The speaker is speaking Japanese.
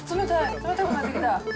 冷たくなってきた。